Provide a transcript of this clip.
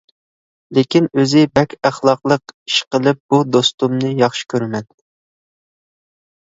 لېكىن، ئۆزى بەك ئەخلاقلىق، ئىشقىلىپ بۇ دوستۇمنى ياخشى كۆرىمەن.